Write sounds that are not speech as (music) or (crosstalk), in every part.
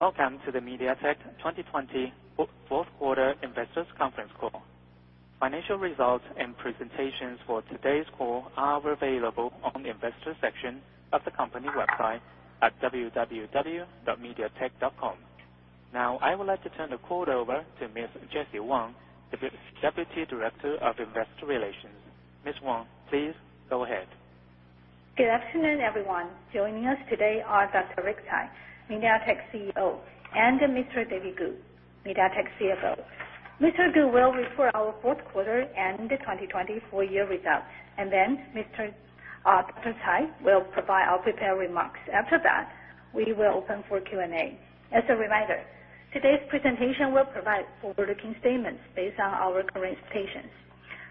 Welcome to the MediaTek 2020 fourth quarter investors conference call. Financial results and presentations for today's call are available on the investor section of the company website at www.mediatek.com. Now, I would like to turn the call over to Ms. Jessie Wang, the Deputy Director of Investor Relations. Ms. Wang, please go ahead. Good afternoon, everyone. Joining us today are Dr. Rick Tsai, MediaTek CEO, and Mr. David Ku, MediaTek CFO. Mr. Ku will report our fourth quarter and the 2020 full-year results, and then Dr. Tsai will provide our prepared remarks. After that, we will open for Q&A. As a reminder, today's presentation will provide forward-looking statements based on our current expectations.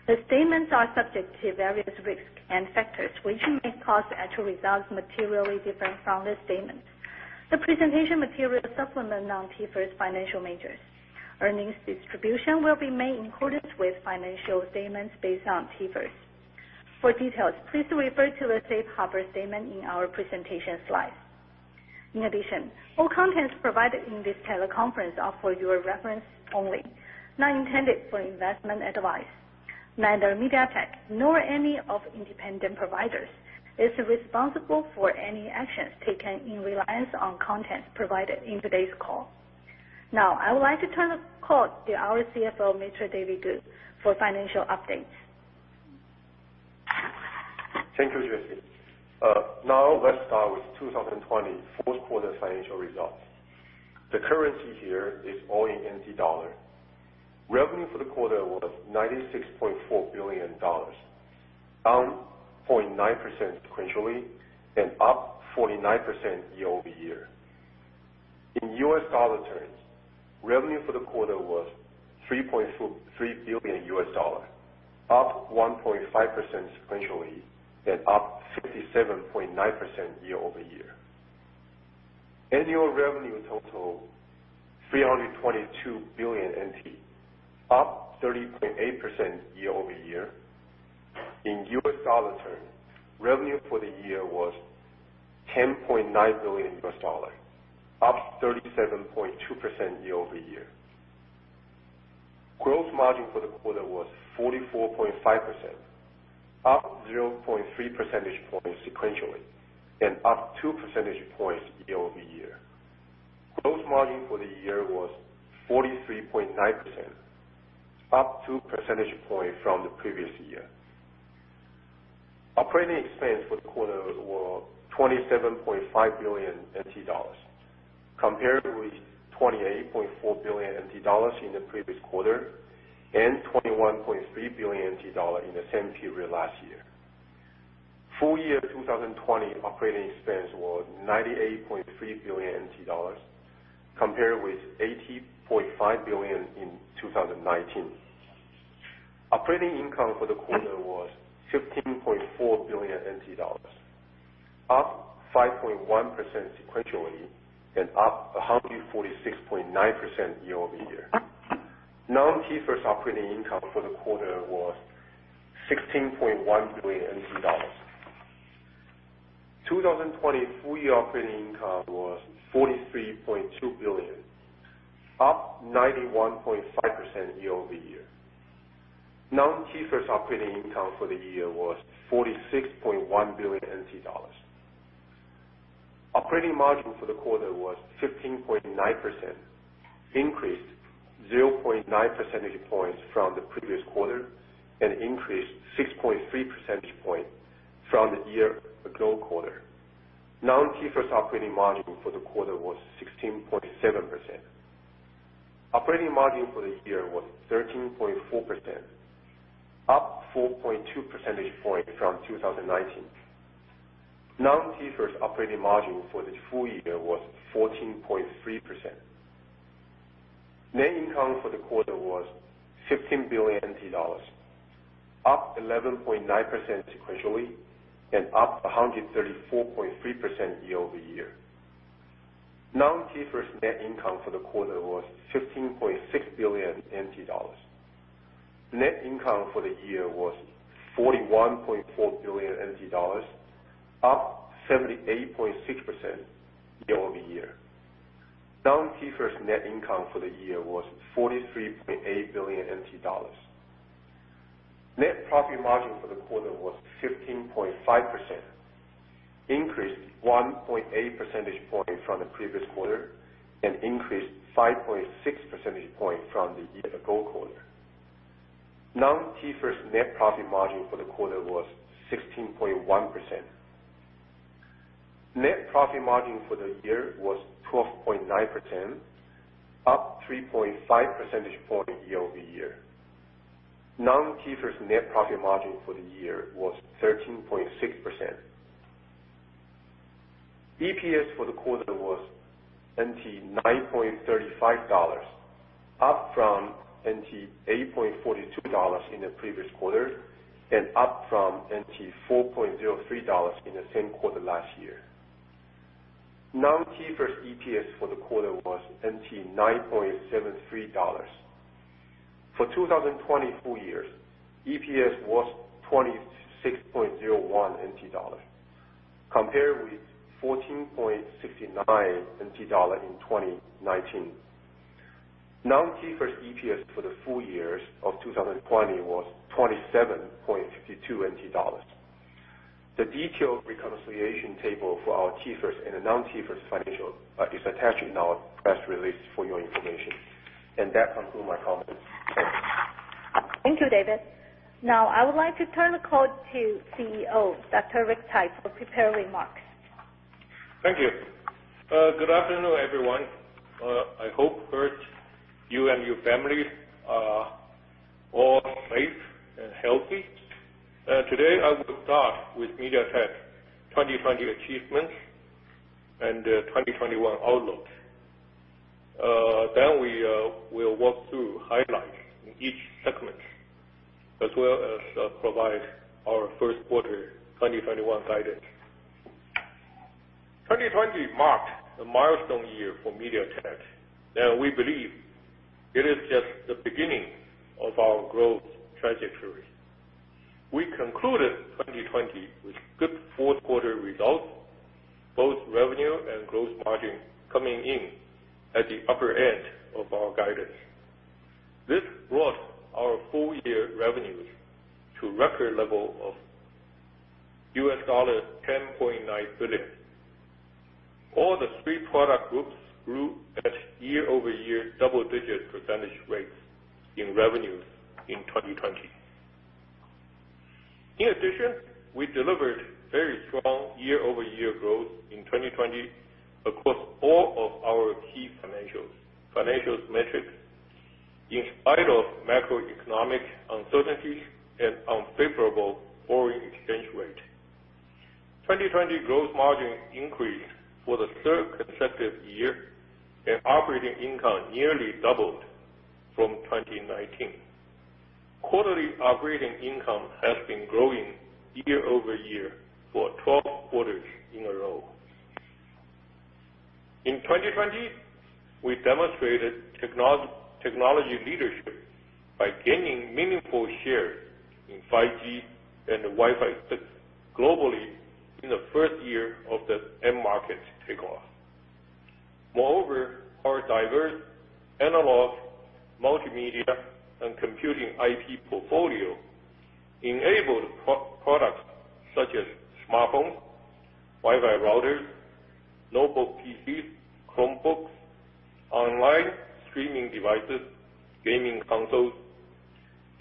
The statements are subject to various risks and factors, which may cause the actual results materially different from this statement. The presentation material supplement non-TIFRS financial measures. Earnings distribution will be made in accordance with financial statements based on TIFRS. For details, please refer to the safe harbor statement in our presentation slides. In addition, all contents provided in this teleconference are for your reference only, not intended for investment advice. Neither MediaTek nor any of independent providers is responsible for any actions taken in reliance on contents provided in today's call. Now, I would like to turn the call to our CFO, Mr. David Ku, for financial updates. Thank you, Jessie. Let's start with 2020 fourth quarter financial results. The currency here is all in NT dollar. Revenue for the quarter was 96.4 billion dollars, down 0.9% sequentially and up 49% year-over-year. In U.S. dollar terms, revenue for the quarter was $3.3 billion, up 1.5% sequentially and up 57.9% year-over-year. Annual revenue total 322 billion NT, up 30.8% year-over-year. In U.S. dollar term, revenue for the year was $10.9 billion, up 37.2% year-over-year. Gross margin for the quarter was 44.5%, up 0.3 percentage points sequentially and up 2 percentage points year-over-year. Gross margin for the year was 43.9%, up 2 percentage point from the previous year. Operating expense for the quarter were 27.5 billion NT dollars compared with 28.4 billion NT dollars in the previous quarter and 21.3 billion NT dollars in the same period last year. Full year 2020 operating expense was 98.3 billion NT dollars, compared with 80.5 billion in 2019. Operating income for the quarter was 15.4 billion NT dollars, up 5.1% sequentially and up 146.9% year-over-year, non-TIFRS operating income for the quarter was 16.1 billion dollars. 2020 full-year operating income was 43.2 billion, up 91.5% year-over-year, non-TIFRS operating income for the year was 46.1 billion NT dollars. Operating margin for the quarter was 15.9%, increased 0.9 percentage points from the previous quarter and increased 6.3 percentage point from the year ago quarter, non-TIFRS operating margin for the quarter was 16.7%. Operating margin for the year was 13.4%, up 4.2 percentage point from 2019, non-TIFRS operating margin for the full year was 14.3%. Net income for the quarter was 15 billion dollars, up 11.9% sequentially and up 134.3% year-over-year, non-TIFRS net income for the quarter was 15.6 billion NT dollars. Net income for the year was 41.4 billion NT dollars, up 78.6% year-over-year, non-TIFRS net income for the year was 43.8 billion NT dollars. Net profit margin for the quarter was 15.5%, increased 1.8 percentage point from the previous quarter and increased 5.6 percentage point from the year ago quarter, non-TIFRS net profit margin for the quarter was 16.1%. Net profit margin for the year was 12.9%, up 3.5 percentage point year-over-year, non-TIFRS net profit margin for the year was 13.6%. EPS for the quarter was 9.35 dollars, up from 8.42 dollars in the previous quarter and up from 4.03 dollars in the same quarter last year, non-TIFRS EPS for the quarter was 9.73 NT dollars. For 2020 full years, EPS was 26.01 NT dollars, compared with 14.69 NT dollars in 2019. Non-TIFRS EPS for the full years of 2020 was 27.52 NT dollars. The detailed reconciliation table for our TIFRS and the non-TIFRS financials is attached in our press release for your information. That concludes my comments. Thank you. Thank you, David. Now I would like to turn the call to CEO, Dr. Rick Tsai, for prepared remarks. Thank you. Good afternoon, everyone. I hope first you and your families are all safe and healthy. Today, I will start with MediaTek's 2020 achievements and 2021 outlook. We'll walk through highlights in each segment, as well as provide our first quarter 2021 guidance. 2020 marked a milestone year for MediaTek, and we believe it is just the beginning of our growth trajectory. We concluded 2020 with good fourth quarter results, both revenue and gross margin coming in at the upper end of our guidance. This brought our full year revenues to record level of $10.9 billion. All the three product groups grew at year-over-year double digit percentage rates in revenues in 2020. In addition, we delivered very strong year-over-year growth in 2020 across all of our key financials metrics, in spite of macroeconomic uncertainties and unfavorable foreign exchange rate. 2020 gross margin increase for the third consecutive year, and operating income nearly doubled from 2019. Quarterly operating income has been growing year-over-year for 12 quarters in a row. In 2020, we demonstrated technology leadership by gaining meaningful share in 5G and Wi-Fi 6 globally in the first year of the end market takeoff. Moreover, our diverse analog, multimedia, and computing IP portfolio enabled products such as smartphones, Wi-Fi routers, notebook PCs, Chromebooks, online streaming devices, gaming consoles,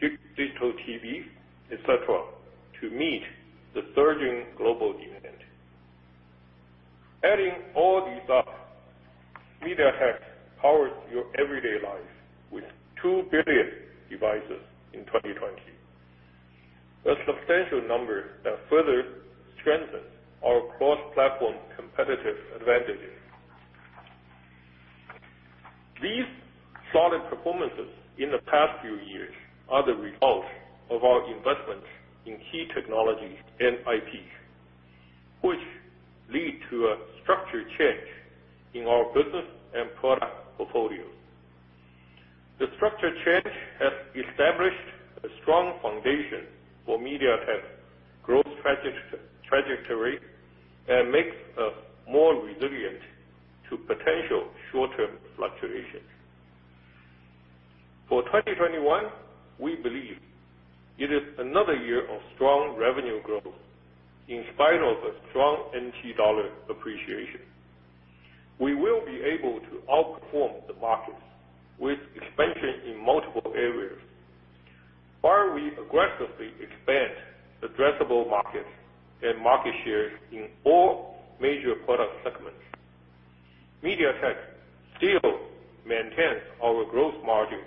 digital TVs, et cetera, to meet the surging global demand. Adding all these up, MediaTek powered your everyday life with 2 billion devices in 2020. A substantial number that further strengthens our cross-platform competitive advantages. These solid performances in the past few years are the result of our investments in key technologies and IPs, which lead to a structure change in our business and product portfolio. The structure change has established a strong foundation for MediaTek growth trajectory and makes us more resilient to potential short-term fluctuations. For 2021, we believe it is another year of strong revenue growth, in spite of a strong NT dollar appreciation. We will be able to outperform the market with expansion in multiple areas. While we aggressively expand addressable market and market shares in all major product segments, MediaTek still maintains our gross margin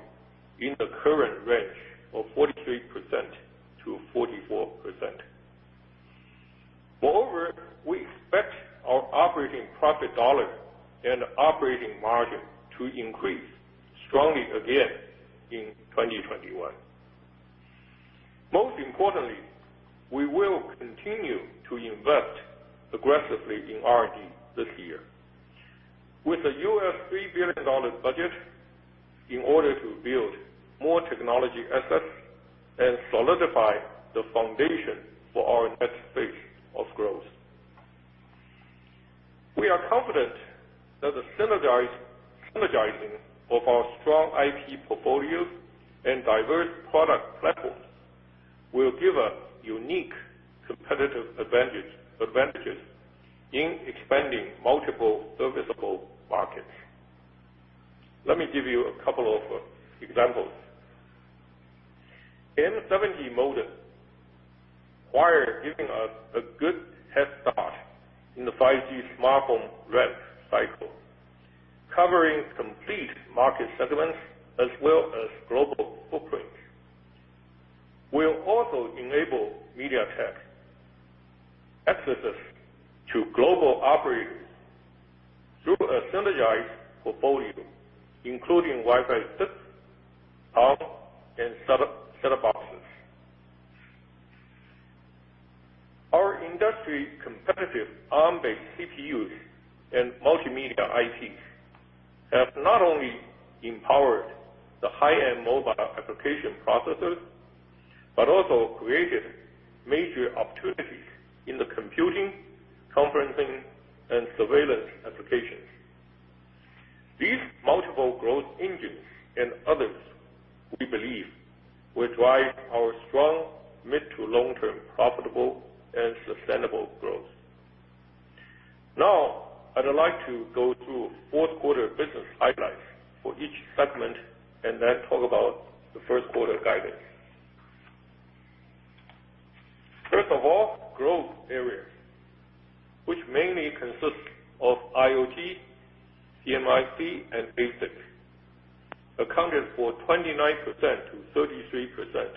in the current range of 43%-44%. Moreover, we expect our operating profit dollar and operating margin to increase strongly again in 2021. Most importantly, we will continue to invest aggressively in R&D this year with a $3 billion budget in order to build more technology assets and solidify the foundation for our next phase of growth. We are confident that the synergizing of our strong IP portfolio and diverse product platforms will give us unique competitive advantages in expanding multiple serviceable markets. Let me give you a couple of examples. M70 modem, while giving us a good head start in the 5G smartphone rev cycle, covering complete market segments as well as global footprint, will also enable MediaTek access to global operators through a synergized portfolio, including Wi-Fi 6 hub and set-top box. Our industry competitive Arm-based CPUs and multimedia IPs have not only empowered the high-end mobile application processors, but also created major opportunities in the computing, conferencing, and surveillance applications. These multiple growth engines and others, we believe, will drive our strong mid to long-term profitable and sustainable growth. Now, I'd like to go through fourth quarter business highlights for each segment and then talk about the first quarter guidance. First of all, growth areas, which mainly consist of IoT, PMIC, and ASICs, accounted for 29%-33% of fourth quarter revenue. This segment performed better than company average in the fourth quarter and grew more than 40%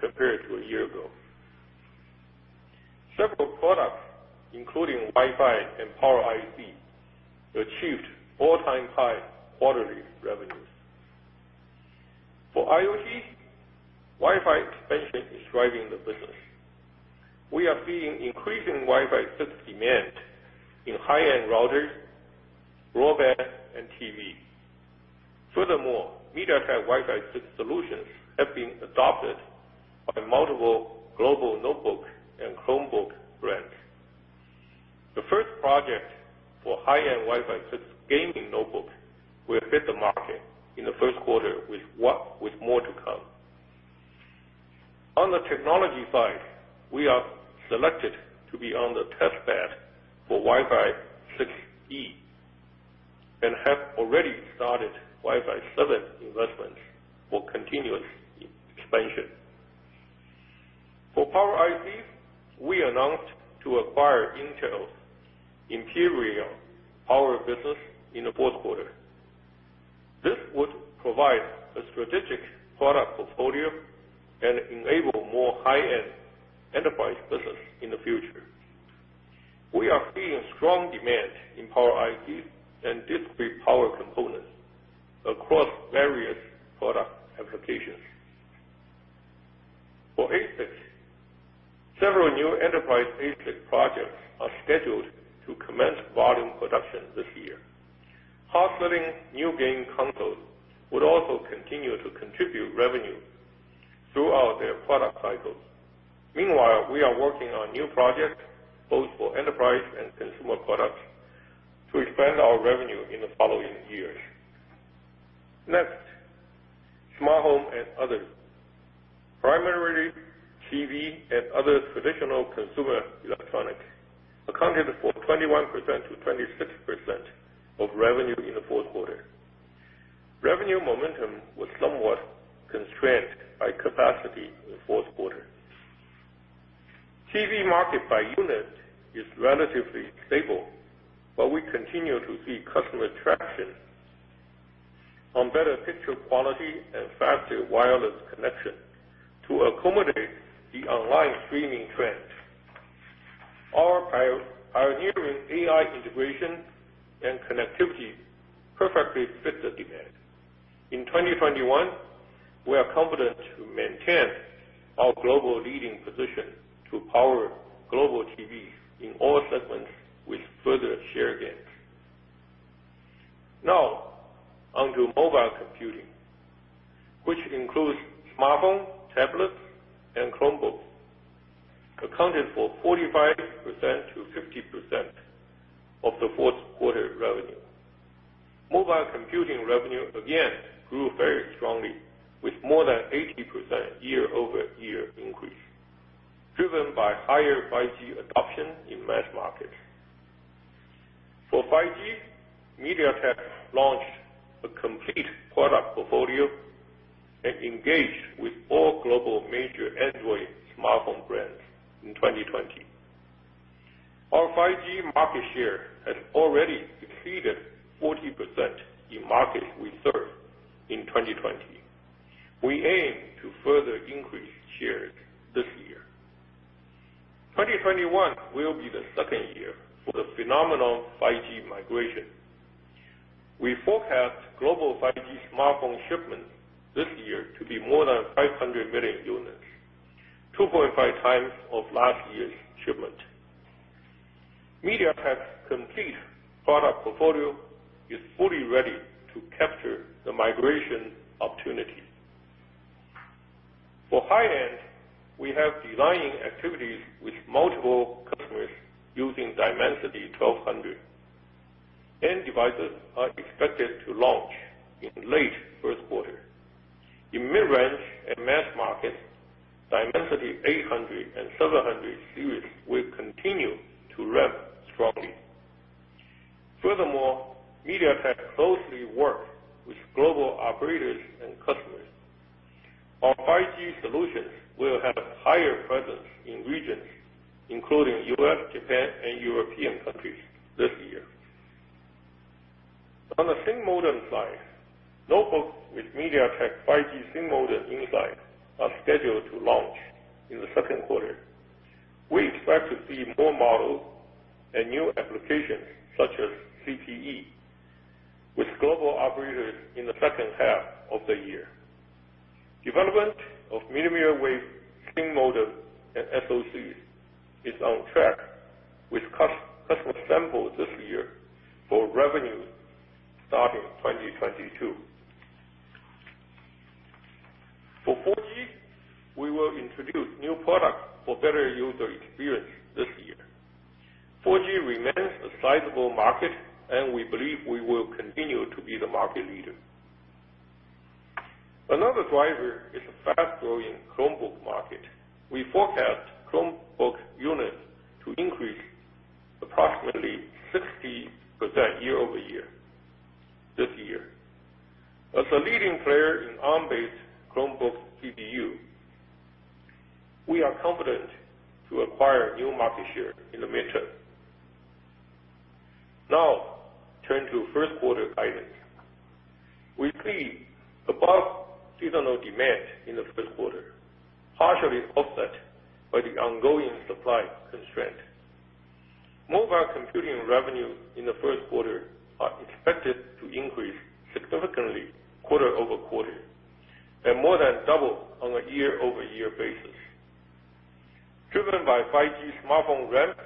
compared to a year ago. Several products, including Wi-Fi and power IC, achieved all-time high quarterly revenues. For IoT, Wi-Fi expansion is driving the business. We are seeing increasing Wi-Fi 6 demand in high-end routers, broadband, and TV. Furthermore, MediaTek Wi-Fi 6 solutions have been adopted by multiple global notebook and Chromebook brands. The first project for high-end Wi-Fi 6 gaming notebooks will hit the market in the first quarter, with more to come. On the technology side, we are selected to be on the test bed for Wi-Fi 6E and have already started Wi-Fi 7 investments for continuous expansion. For power ICs, we announced to acquire Intel Enpirion power business in the fourth quarter. This would provide a strategic product portfolio and enable more high-end enterprise business in the future. We are seeing strong demand in power ICs and discrete power components across various product applications. For ASICs, several new enterprise ASICs projects are scheduled to commence volume production this year. Hot-selling new game consoles would also continue to contribute revenue throughout their product cycles. Meanwhile, we are working on new projects, both for enterprise and consumer products, to expand our revenue in the following years. Next, Smart Home and others. Primarily TV and other traditional consumer electronics accounted for 21%-26% of revenue in the fourth quarter. Revenue momentum was somewhat constrained by capacity in the fourth quarter. TV market by unit is relatively stable, we continue to see customer traction on better picture quality and faster wireless connection to accommodate the online streaming trend. Our pioneering AI integration and connectivity perfectly fit the demand. In 2021, we are confident to maintain our global leading position to power global TVs in all segments with further share gains. Onto mobile computing, which includes smartphone, tablets, and Chromebooks, accounted for 45%-50% of the fourth quarter revenue. Mobile computing revenue again grew very strongly with more than 80% year-over-year increase, driven by higher 5G adoption in mass market. For 5G, MediaTek launched a complete product portfolio and engaged with all global major Android smartphone brands in 2020. Our 5G market share has already exceeded 40% in markets we serve in 2020. We aim to further increase shares this year. 2021 will be the second year for the phenomenal 5G migration. We forecast global 5G smartphone shipments this year to be more than 500 million units, 2.5x of last year's shipment. MediaTek's complete product portfolio is fully ready to capture the migration opportunity. For high-end, we have design-in activities with multiple customers using Dimensity 1200, and devices are expected to launch in late first quarter. In mid-range and mass market, Dimensity 800 and 700 series will continue to ramp strongly. Furthermore, MediaTek closely works with global operators and customers. Our 5G solutions will have higher presence in regions including U.S., Japan, and European countries this year. On the thin modem side, notebooks with MediaTek 5G thin modem inside are scheduled to launch in the second quarter. We expect to see more models and new applications, such as CPE, with global operators in the second half of the year. Development of millimeter wave thin modem and SoC is on track with customer samples this year for revenue starting 2022. For 4G, we will introduce new products for better user experience this year. 4G remains a sizable market, and we believe we will continue to be the market leader. Another driver is the fast-growing Chromebook market. We forecast Chromebook units to increase approximately 60% year-over-year this year. As a leading player in Arm-based Chromebook CPU, we are confident to acquire new market share in the midterm. Now, turn to first quarter guidance; we see above seasonal demand in the first quarter, partially offset by the ongoing supply constraint. Mobile computing revenue in the first quarter are expected to increase significantly quarter-over-quarter, and more than double on a year-over-year basis. Driven by 5G smartphone ramp,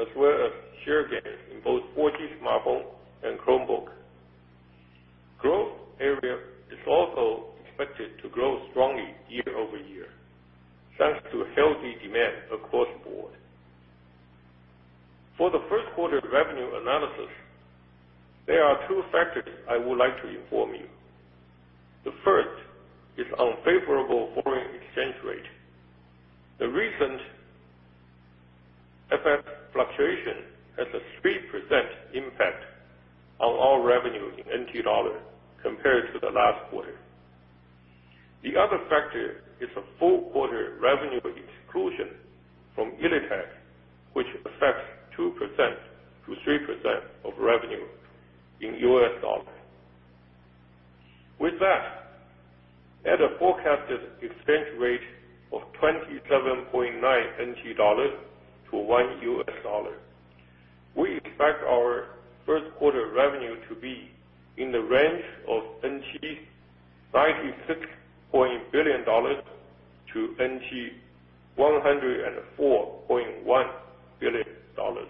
as well as share gains in both 4G smartphone and Chromebook. Growth area is also expected to grow strongly year-over-year, thanks to healthy demand across board. For the first quarter revenue analysis, there are two factors I would like to inform you. The first is unfavorable foreign exchange rate. The recent FX fluctuation has a 3% impact on our revenue in NT dollar compared to the last quarter. The other factor is the full quarter revenue exclusion from Ilitek, which affects 2%-3% of revenue in US dollar. With that, at a forecasted exchange rate of 27.9 NT dollars to $1, we expect our first quarter revenue to be in the range of 96.8 billion NT dollars to 104.1 billion NT dollars,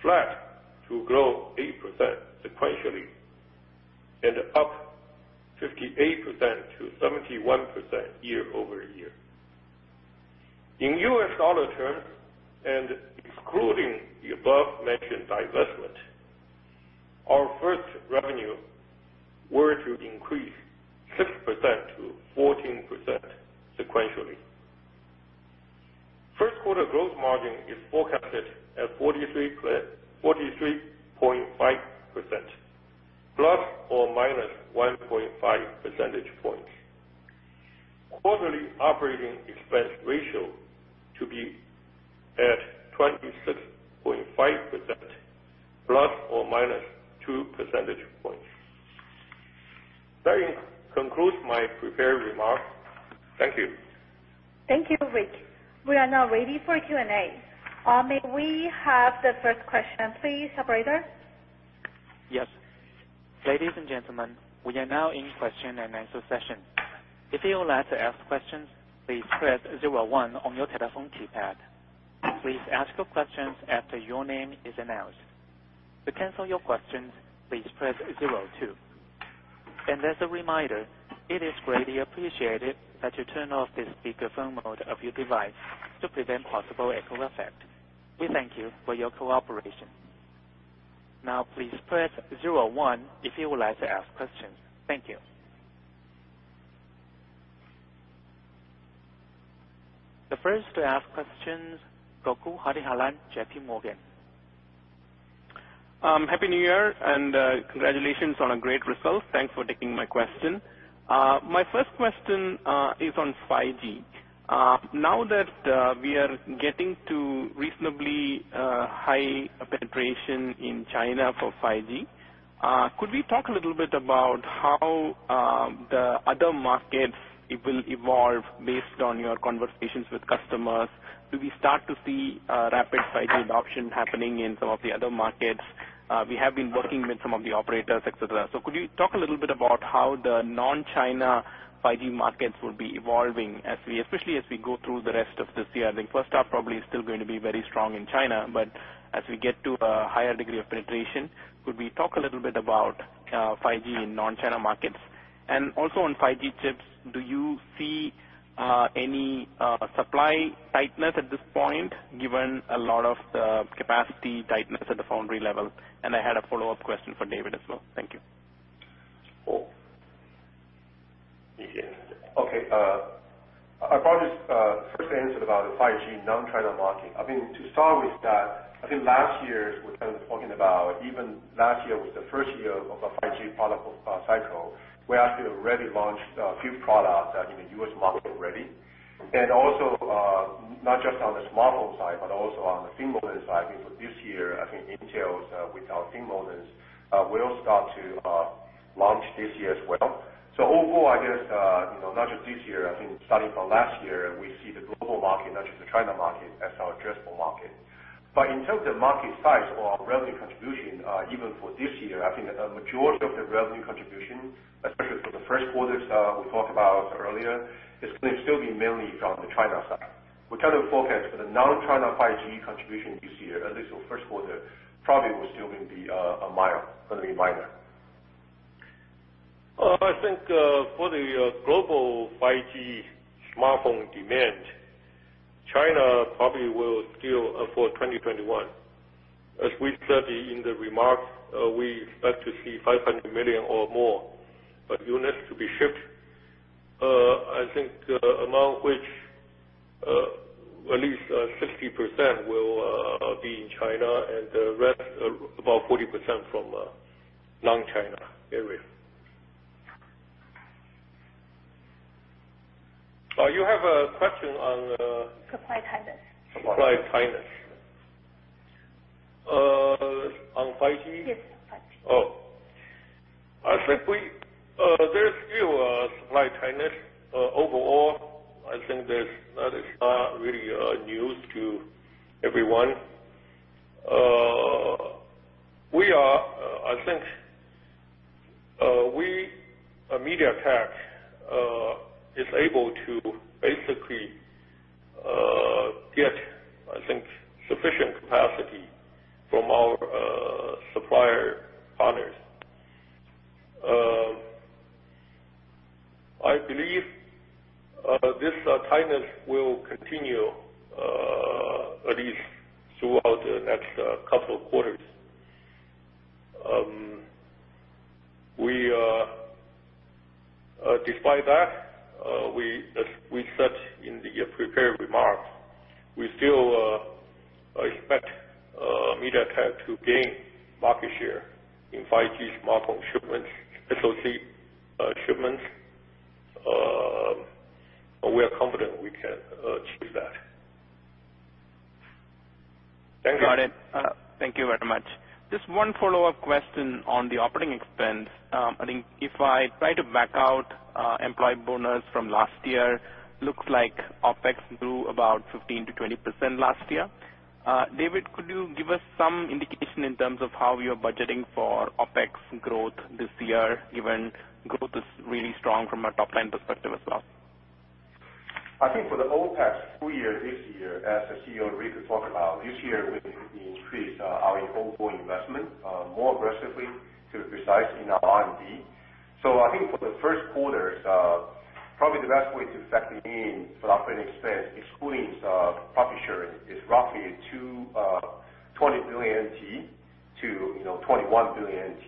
flat to grow 8% sequentially and up 58% to 71% year-over-year. In US dollar terms, and excluding the above-mentioned divestment, our first quarter revenue were to increase 6%-14% sequentially. First quarter gross margin is forecasted at 43.5% ±1.5 percentage points. Quarterly operating expense ratio to be at 26.5% ±2 percentage points. That concludes my prepared remarks. Thank you. Thank you, Rick. We are now ready for Q&A. May we have the first question please, operator? Yes. Ladies and gentlemen, we are now in question and answer session. If you would like to ask questions, please press zero, one on your telephone keypad. Please ask your questions after your name is announced. To cancel your questions, please press zero, two. As a reminder, it is greatly appreciated that you turn off the speakerphone mode of your device to prevent possible echo effect. We thank you for your cooperation. Please press zero, one if you would like to ask questions. Thank you. The first to ask questions, Gokul Hariharan, JPMorgan. Happy New Year, congratulations on a great result. Thanks for taking my question. My first question is on 5G. Now that we are getting to reasonably high penetration in China for 5G, could we talk a little bit about how the other markets will evolve based on your conversations with customers? Do we start to see rapid 5G adoption happening in some of the other markets? We have been working with some of the operators, et cetera. Could you talk a little bit about how the non-China 5G markets will be evolving, especially as we go through the rest of this year? I think first half probably is still going to be very strong in China. As we get to a higher degree of penetration, could we talk a little bit about 5G in non-China markets? Also on 5G chips, do you see any supply tightness at this point, given a lot of the capacity tightness at the foundry level? I had a follow-up question for David as well. Thank you. Cool. Okay. I'll probably just first answer about the 5G non-China market. To start with that, I think last year, we were kind of talking about even last year. The first year of a 5G product cycle, we actually already launched a few products in the U.S. market already. Also, not just on the smartphone side, but also on the thin modems side, I think for this year, I think Intel with our thin modems will start to launch this year as well. Overall, I guess, not just this year, I think starting from last year, we see the global market, not just the China market, as our addressable market. In terms of market size or revenue contribution, even for this year, I think a majority of the revenue contribution, especially for the first quarter we talked about earlier, is going to still be mainly from the China side. We try to forecast for the non-China 5G contribution this year, at least for the first quarter, probably will still going to be minor. I think, for the global 5G smartphone demand, China probably will still, for 2021, as we said in the remarks, we expect to see 500 million or more units to be shipped. I think, among which at least 60% will be in China and the rest, about 40%, from non-China areas. You have a question on... Supply tightness. ...supply tightness. On 5G? Yes, on 5G. I think there's still a supply tightness. Overall, I think that is not really news to everyone. I think we, MediaTek, is able to basically get, I think, sufficient capacity from our supplier partners. I believe this tightness will continue at least throughout the next couple of quarters. Despite that, as we said in the prepared remarks, we still expect MediaTek to gain market share in 5G smartphone shipments, SoC shipments. We are confident we can achieve that. Thank you. Got it. Thank you very much. Just one follow-up question on the operating expense. I think if I try to back out employee bonus from last year, looks like OpEx grew about 15% to 20% last year. David, could you give us some indication in terms of how you're budgeting for OpEx growth this year, given growth is really strong from a top-line perspective as well? I think for the OpEx full year, this year, as CEO Rick talked about, this year, we increase our overall investment more aggressively to precisely in our R&D. I think for the first quarter, probably the best way to factor in for operating expense, excluding profit sharing, is roughly 20 billion-21 billion NT,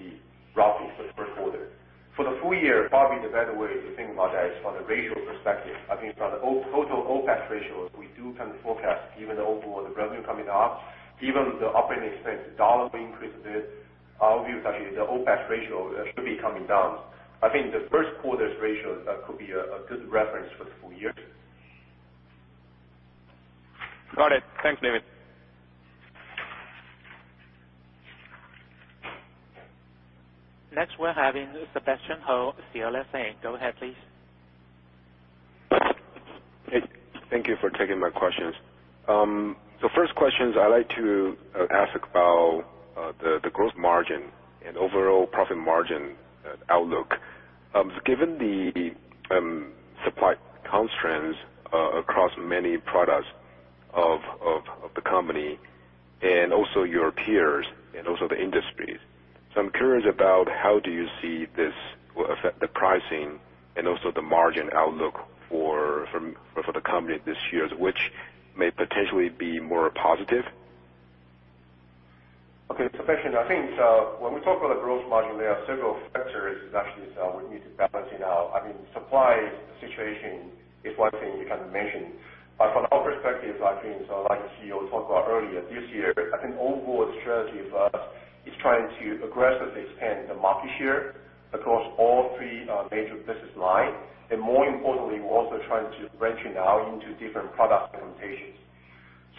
roughly for the first quarter. For the full year, probably the better way to think about that is from the ratio perspective. I think from the total OpEx ratio, we do kind of forecast even the overall revenue coming down, even the operating expense dollar increase, our view is actually the OpEx ratio should be coming down. I think the first quarter's ratio could be a good reference for the full year. Got it. Thanks, David. Next, we're having Sebastian Hou, CLSA. Go ahead, please. Hey, thank you for taking my questions. First questions, I'd like to ask about the gross margin and overall profit margin outlook. Given the supply constraints across many products of the company and also your peers, and also the industries, I'm curious about how do you see this will affect the pricing and also the margin outlook for the company this year, which may potentially be more positive? Okay, Sebastian, I think when we talk about the gross margin, there are several factors that actually we need to balance it out. Supply situation is one thing we can mention. From our perspective, I think, so like the CEO talked about earlier, this year, I think overall strategy of us is trying to aggressively expand the market share across all three major business lines. More importantly, we're also trying to branching out into different product implementations.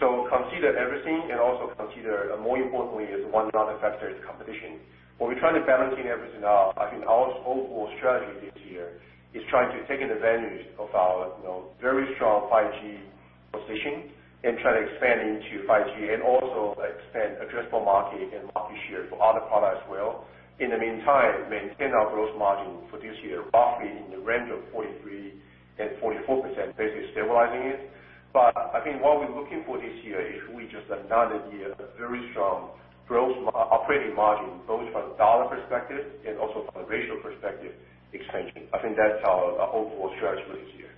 Consider everything, and also consider, more importantly, is one other factor, is competition. While we're trying to balancing everything out, I think our overall strategy this year is trying to take advantage of our very strong 5G position and try to expand into 5G, and also expand addressable market and market share for other products as well. In the meantime, maintain our gross margin for this year, roughly in the range of 43% and 44%, basically stabilizing it. I think what we're looking for this year is really just another year of very strong operating margin, both from a dollar perspective and also from a ratio perspective expansion. I think that's our overall strategy this year.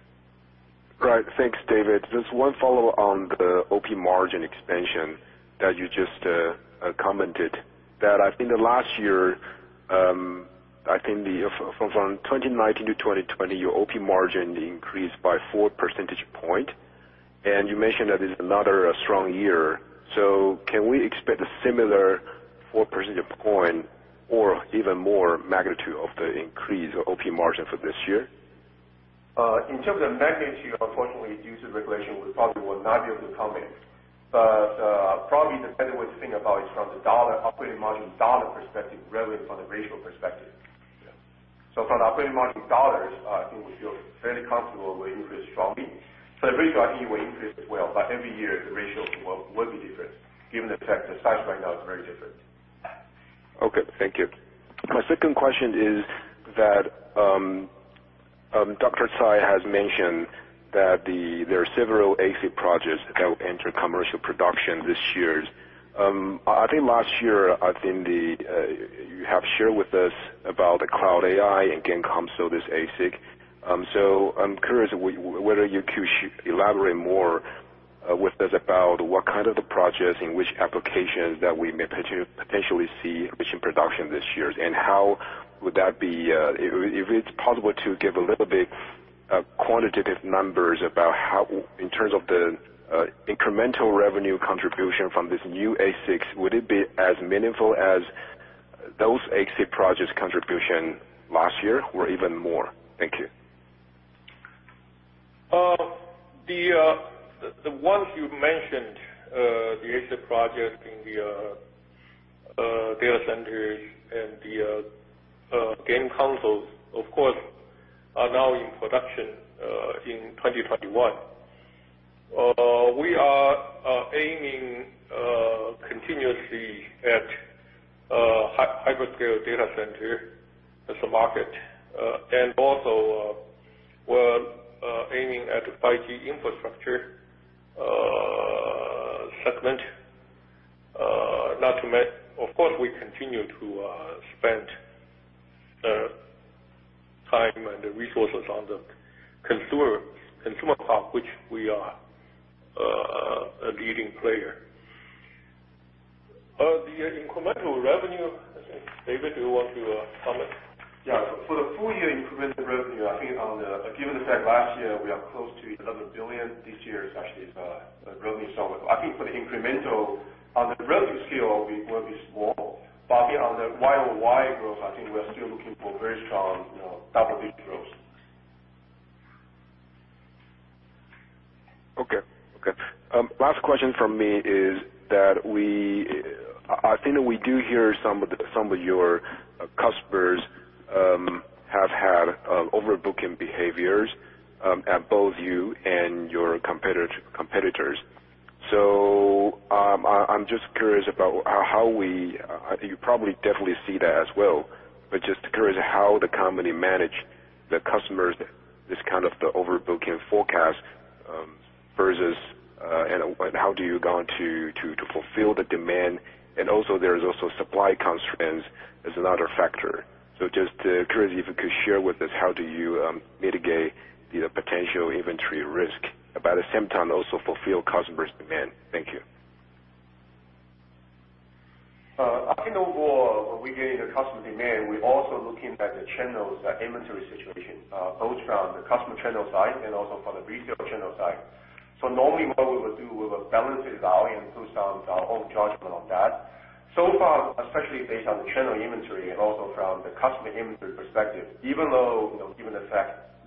Right. Thanks, David. Just one follow on the OP margin expansion that you just commented. In the last year, I think from 2019 to 2020, your OP margin increased by four percentage point. You mentioned that it's another strong year. Can we expect a similar four percentage point or even more magnitude of the increase of OP margin for this year? In terms of magnitude, unfortunately, due to regulation, we probably will not be able to comment. Probably the better way to think about it is from the operating margin dollar perspective rather than from the ratio perspective. Yeah. From the operating margin dollars, I think we feel fairly comfortable we'll increase strongly. The ratio, I think, will increase as well, but every year, the ratio will be different given the fact the size right now is very different. Okay. Thank you. My second question is that, Dr. Tsai has mentioned that there are several ASIC projects that will enter commercial production this year. I think last year, I think you have shared with us about the Cloud AI and game console, this ASIC. I'm curious whether you could elaborate more with us about what kind of the projects, in which applications that we may potentially see mass production this year. How would that be, if it's possible to give a little bit quantitative numbers about how, in terms of the incremental revenue contribution from this new ASICs, would it be as meaningful as those ASIC projects contribution last year or even more? Thank you. The ones you mentioned, the ASIC project in the data centers and the game consoles, of course, are now in production, in 2021. We are aiming continuously at hyperscale data center as a market, also we're aiming at 5G infrastructure segment. Of course, we continue to spend time and resources on the consumer part, which we are a leading player. The incremental revenue, I think, David, do you want to comment? Yeah. For the full year incremental revenue, I think given the fact last year, we are close to 11 billion, this year is actually growing somewhat. I think for the incremental, on the relative scale, it will be small. I think on the Y-on-Y growth, I think we're still looking for very strong double-digit growth. Last question from me is that I think that we do hear some of your customers have had overbooking behaviors, at both you and your competitors. I'm just curious about how I think you probably definitely see that as well, but just curious how the company manage the customers, this kind of the overbooking forecast, and how do you going to fulfill the demand? There is also supply constraints as another factor. Just curious if you could share with us, how do you mitigate the potential inventory risk, but at the same time also fulfill customers' demand. Thank you. I think overall, when we're getting the customer demand, we're also looking at the channels, the inventory situation, both from the customer channel side and also from the resale channel side. Normally what we would do, we would balance this out and based on our own judgment on that. So far, especially based on the channel inventory and also from the customer inventory perspective, even though, given the fact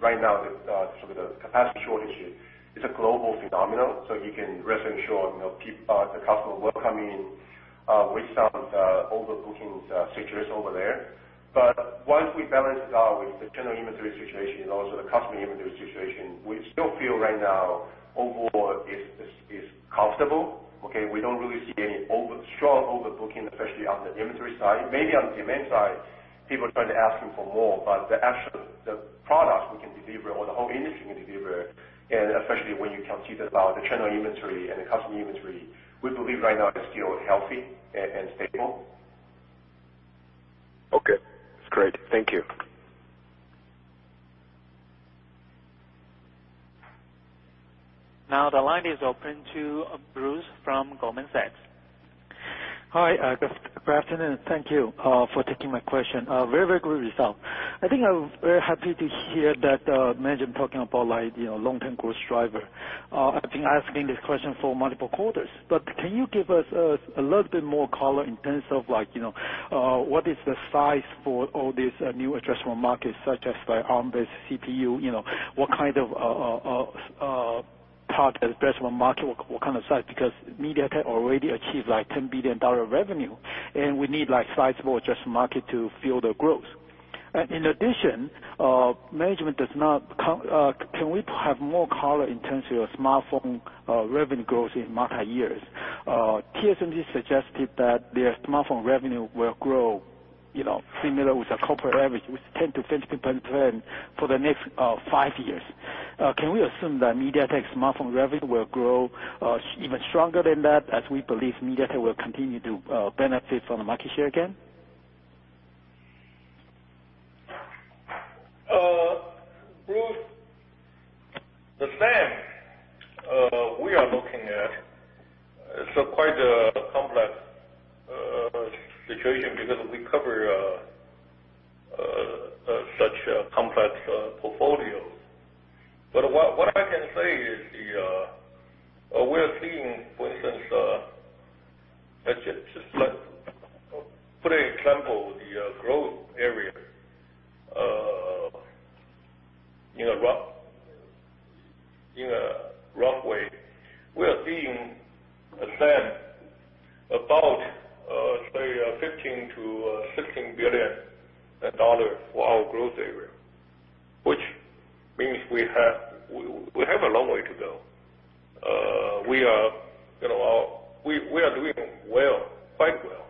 right now with sort of the capacity shortage is a global phenomenon, so you can rest assured the customer will come in with some overbooking situations over there. Once we balance it out with the general inventory situation and also the customer inventory situation, we still feel right now overall it's comfortable. Okay. We don't really see any strong overbooking, especially on the inventory side. Maybe on the demand side, people are trying to ask him for more, but the actual product we can deliver or the whole industry can deliver, and especially when you calculate about the channel inventory and the customer inventory, we believe right now it's still healthy and stable. Okay, that's great. Thank you. Now the line is open to Bruce from Goldman Sachs. Hi. Good afternoon, thank you for taking my question. Very, very good result. I think I'm very happy to hear that management talking about long-term growth driver. I've been asking this question for multiple quarters. Can you give us a little bit more color in terms of what is the size for all these new addressable markets, such as Arm-based CPU? What kind of part addressable market, what kind of size? Because MediaTek already achieved 10 billion dollar revenue, and we need sizable addressed market to fuel the growth. In addition, can we have more color in terms of your smartphone revenue growth in multi years? TSMC suggested that their smartphone revenue will grow similar with the corporate average, with 10% to 15% for the next five years. Can we assume that MediaTek smartphone revenue will grow even stronger than that, as we believe MediaTek will continue to benefit from the market share again? Bruce, the SAM we are looking at, it's quite a complex situation because we cover such a complex portfolio. What I can say is, we are seeing, for instance, let's just put an example, the growth area in a rough way. We are seeing a SAM about, say, 15 billion to 16 billion dollar for our growth area, which means we have a long way to go. We are doing well, quite well.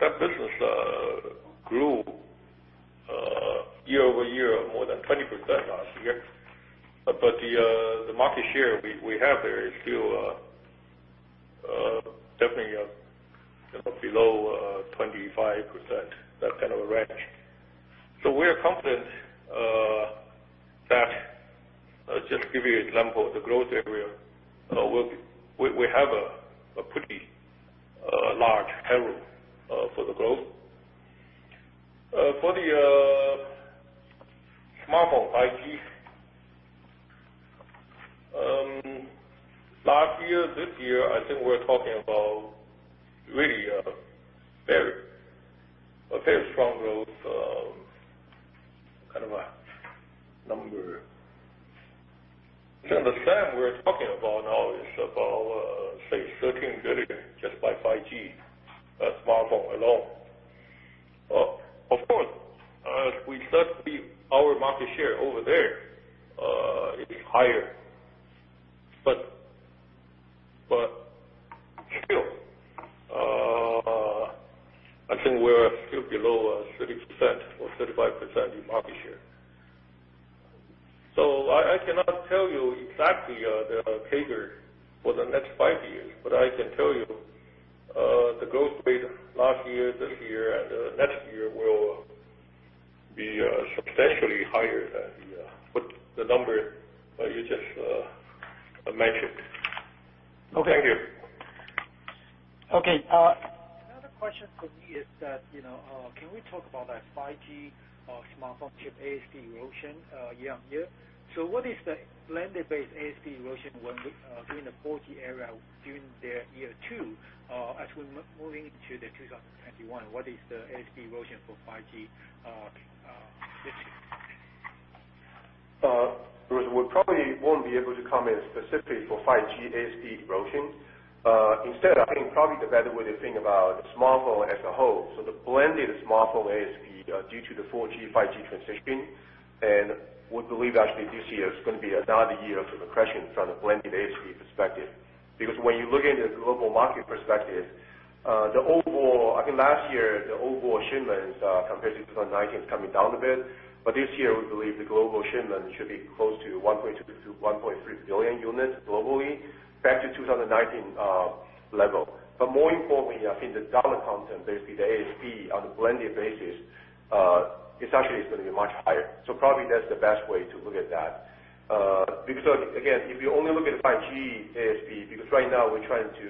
That business grew year-over-year more than 20% last year. The market share we have there is still definitely below 25%, that kind of a range. We are confident that, just to give you an example, the growth area, we have a pretty large headroom for the growth. For the smartphone 5G, last year, this year, I think we're talking about really a very strong growth, kind of a number. To understand, we're talking about now is about, say, 13 billion, just by 5G, that's smartphone alone. Of course, we certainly, our market share over there, is higher. Still, I think we're still below 30% or 35% in market share. I cannot tell you exactly the CAGR for the next five years, but I can tell you, the growth rate last year, this year, and next year will be substantially higher than the, put the number, you just match it. Okay. Thank you. Okay. Another question from me, can we talk about that 5G smartphone chip ASP evolution year-on-year? What is the blended base ASP evolution during the 4G era during their year two, as we're moving into 2021, what is the ASP evolution for 5G this year? We probably won't be able to comment specifically for 5G ASP evolution. I think probably the better way to think about smartphone as a whole, so the blended smartphone ASP, due to the 4G, 5G transition, and we believe actually this year is going to be another year of accretion from the blended ASP perspective. When you look into the global market perspective, I think last year, the overall shipments, compared to 2019, is coming down a bit. This year, we believe the global shipment should be close to 1.3 billion units globally, back to 2019 level. More importantly, I think the dollar content, basically the ASP on a blended basis, essentially is going to be much higher. Probably that's the best way to look at that. Again, if you only look at 5G ASP, because right now we're trying to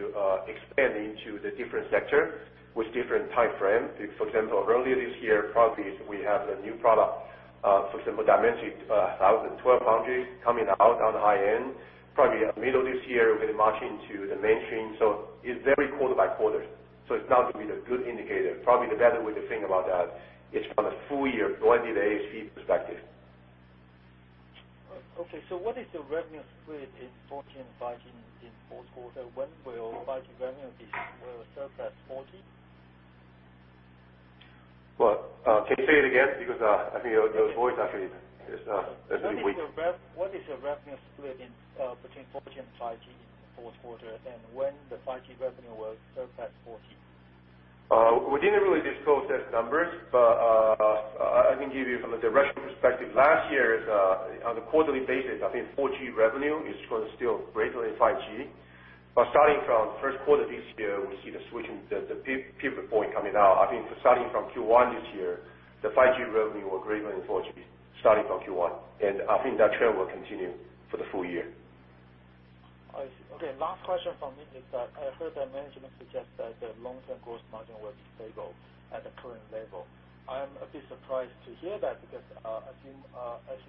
expand into the different sector with different time frames. For example, earlier this year, probably we have a new product, for example, Dimensity 1200 5G coming out on the high-end. Probably at the middle this year, we're going to march into the mainstream. It's very quarter by quarter. It's not going to be a good indicator. Probably the better way to think about that is from a full year blended ASP perspective. Okay. What is the revenue split in 4G and 5G in Q4? When will 5G revenue surpass 4G? Well, can you say it again? Because I think your voice actually is very weak. What is your revenue split between 4G and 5G in Q4, and when the 5G revenue will surpass 4G? We didn't really disclose those numbers, but, I can give you from a direction perspective. Last year, on a quarterly basis, I think 4G revenue is going to still greater than 5G. Starting from first quarter this year, we see the switching, the pivot point coming out. I think starting from Q1 this year, the 5G revenue will greater than 4G, starting from Q1. I think that trend will continue for the full year. I see. Okay, last question from me is that I heard that management suggest that the long-term gross margin will be stable at the current level. I am a bit surprised to hear that because as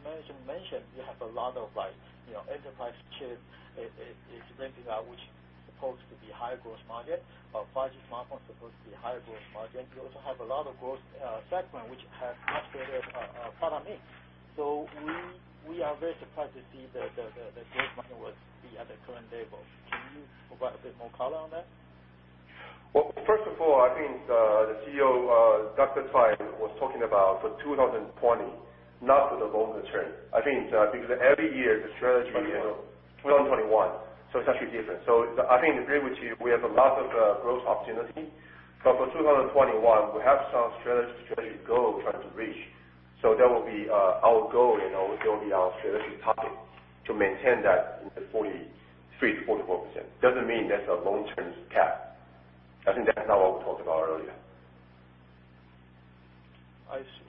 management mentioned, you have a lot of enterprise chip is ramping up, which supposed to be higher gross margin, 5G smartphone supposed to be higher gross margin, you also have a lot of growth segment which has much better product mix. We are very surprised to see the gross margin will be at the current level. Can you provide a bit more color on that? Well, first of all, I think, the CEO, Dr. Tsai, was talking about for 2020, not for the longer term. I think, because every year, 2021. It's actually different, I think, I agree with you, we have a lot of growth opportunity. For 2021, we have some strategic goal we're trying to reach. That will be our goal, and that will be our strategic topic to maintain that in the 43%-44%. Doesn't mean that's a long-term cap. I think that's not what we talked about earlier. I see,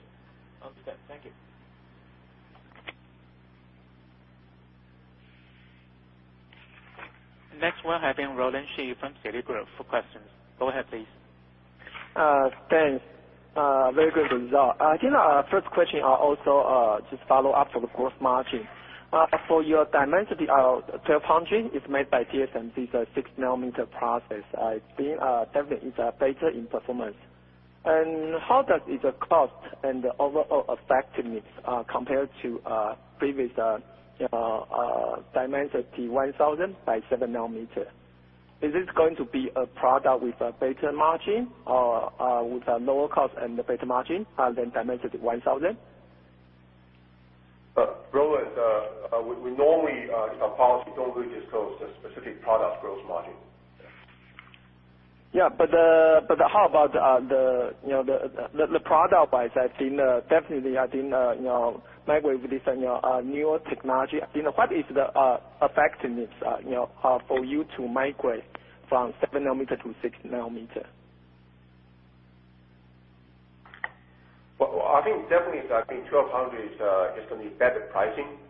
understand. Thank you. Next, we have Roland Shu from Citigroup for questions. Go ahead, please. Thanks. Very good result. First question, I also just follow up for the gross margin. For your Dimensity 1200, it's made by TSMC's 6-nanometer process. I think definitely it's better in performance. How does its cost and overall effectiveness compare to previous Dimensity 1000 by 7-nanometer? Is this going to be a product with a better margin, or with a lower cost and a better margin than Dimensity 1000? Roland, we normally, as a policy, don't really disclose the specific product gross margin. Yeah. How about the product-wise? Definitely, I think millimeter wave this newer technology. What is the effectiveness for you to migrate from 7-nanometer to 6-nanometer? I think definitely the Dimensity 1200 is going to be better pricing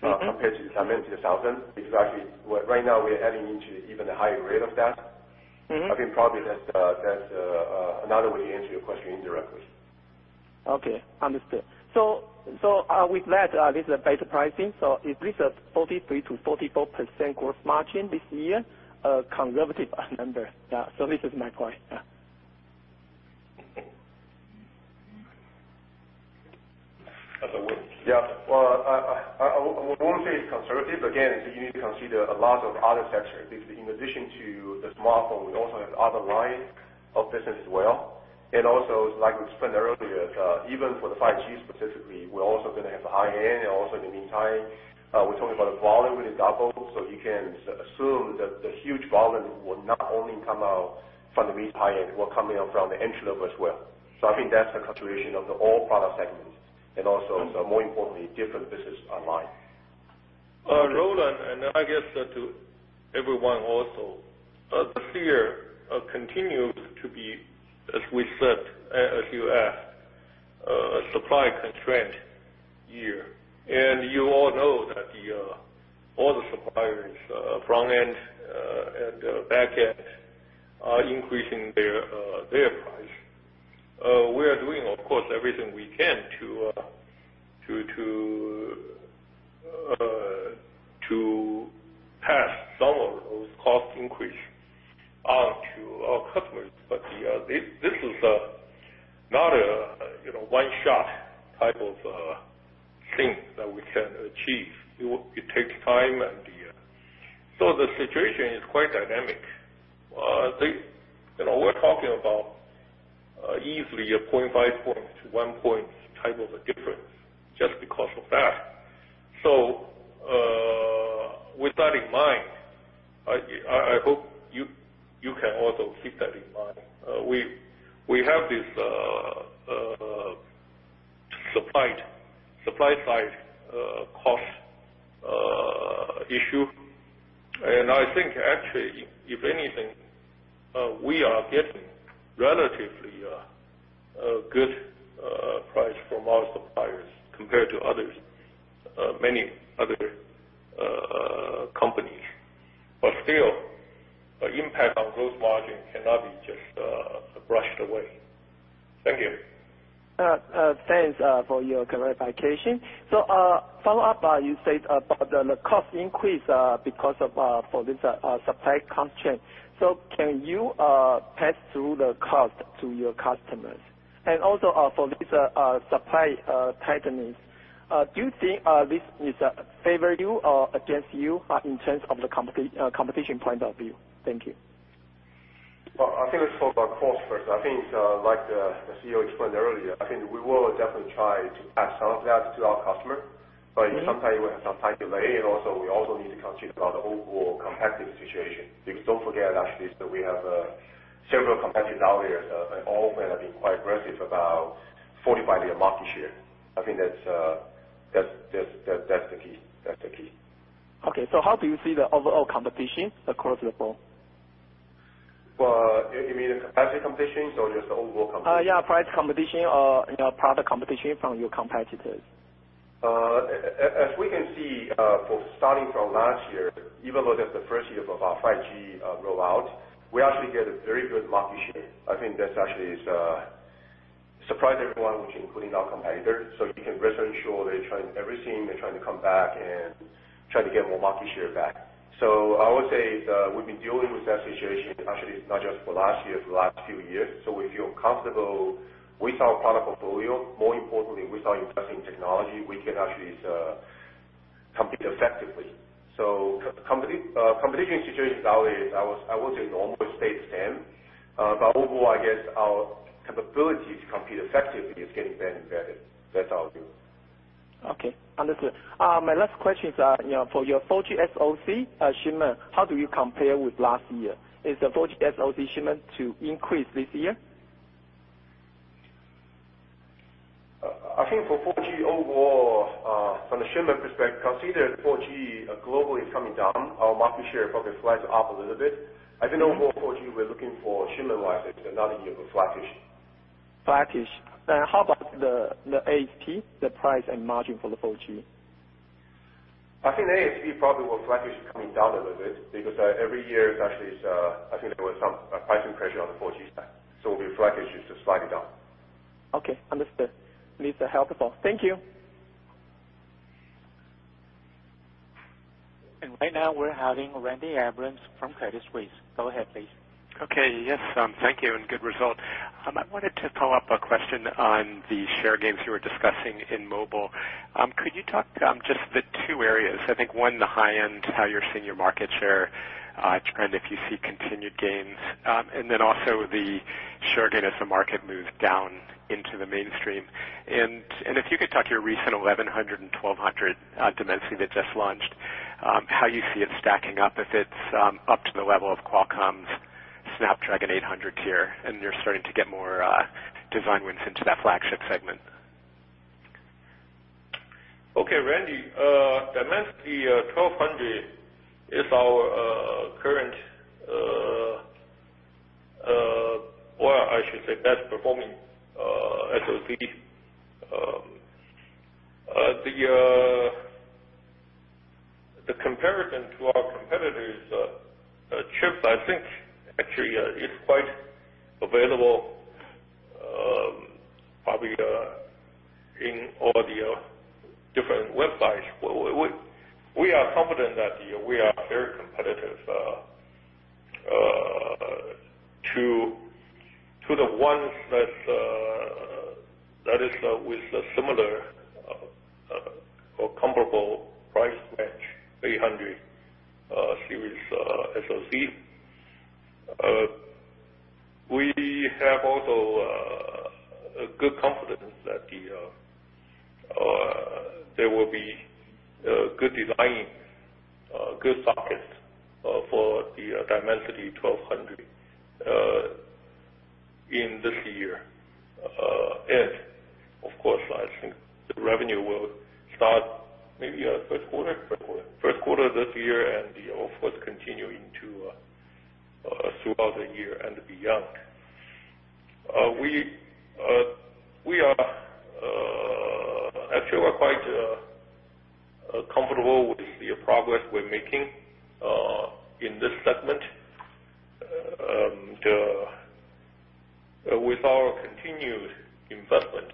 compared to Dimensity 1000, because actually, right now, we're adding into even a higher rate of that. I think probably that's another way to answer your question indirectly. Okay, understood. With that, this is better pricing, is this a 43%-44% gross margin this year, a conservative number? This is my point. Yeah. Yeah. Well, I won't say it's conservative. Again, you need to consider a lot of other factors. In addition to the smartphone, we also have other lines of business as well. Like we explained earlier, even for the 5G specifically, we're also going to have the high-end, and also in the meantime, we're talking about volume really doubles. You can assume that the huge volume will not only come out from the mid high-end, will coming out from the entry-level as well. I think that's the contribution of the all product segments, and also, more importantly, different business online. Roland, I guess to everyone also, this year continues to be, as we said, as you asked, a supply-constrained year. You all know that all the suppliers, front end and back end, are increasing their price. We are doing, of course, everything we can to pass some of those cost increase on to our customers. This is not a one-shot type of thing that we can achieve, it takes time, the situation is quite dynamic. We're talking about easily a 0.5 point to 1 point type of a difference just because of that. With that in mind, I hope you can also keep that in mind. We have this supply-side cost issue, and I think, actually, if anything, we are getting relatively a good price from our suppliers compared to many other companies. Still, impact on gross margin cannot be just brushed away. Thank you. Thanks for your clarification. Follow-up, you said about the cost increase, because for this supply constraint. Can you pass through the cost to your customers? Also, for this supply tightness, do you think this is favor you or against you in terms of the competition point of view? Thank you. Well, I think let's talk about cost first. I think, like the CEO explained earlier, I think we will definitely try to pass some of that to our customer, but sometimes we have some time delay, and also, we also need to consider about the overall competitive situation, because don't forget, actually, that we have several competitors out there, and all may have been quite aggressive about 45 billion market share. I think that's the key. Okay. How do you see the overall competition across the board? You mean the (audio distortion) competition or just overall competition? Yeah. Price competition or product competition from your competitors. As we can see, starting from last year, even though that's the first year of our 5G rollout, we actually get a very good market share. I think that actually surprised everyone, which including our competitor. You can rest assured they're trying everything. They're trying to come back and trying to get more market share back. I would say that we've been dealing with that situation, actually, not just for last year, for the last few years. We feel comfortable with our product portfolio. More importantly, with our investment technology, we can actually compete effectively. Competition situation is always, I would say, normal state then. Overall, I guess our capability to compete effectively is getting better and better. That's how I view it. Okay, understood. My last question is for your 4G SoC shipment, how do you compare with last year? Is the 4G SoC shipment to increase this year? I think for 4G overall, from the shipment perspective, consider 4G globally is coming down. Our market share probably slides up a little bit. I think overall, 4G, we're looking for, shipment-wise, another year of flat-ish. Flatt-ish? How about the ASP, the price, and margin for the 4G? I think the ASP probably will flatt-ish coming down a little bit, because every year, actually, I think there was some pricing pressure on the 4G side, so it will be flattish, just slightly down. Okay, understood, it was helpful. Thank you. Right now, we're having Randy Abrams from Credit Suisse. Go ahead, please. Okay, yes, thank you. Good result. I wanted to follow up a question on the share gains you were discussing in mobile. Could you talk, just the two areas, I think, one, the high end, how you're seeing your market share, trend, if you see continued gains. Also the share gain as the market moves down into the mainstream. If you could talk to your recent 1100 and 1200 Dimensity that just launched, how you see it stacking up, if it's up to the level of Qualcomm's Snapdragon 800 tier, and you're starting to get more design wins into that flagship segment. Okay. Randy, Dimensity 1200 is our current, or I should say, best performing SoC. The comparison to our competitors' chips, I think, actually, is quite available, probably in all the different websites. We are confident that we are very competitive to the ones that is with a similar or comparable price range, 800 series SoC. We have also a good confidence that there will be good design, good sockets for the Dimensity 1200 in this year. Of course, I think the revenue will start maybe first quarter? First quarter. First quarter this year, of course, continuing throughout the year and beyond, actually, we're quite comfortable with the progress we're making in this segment. With our continued investment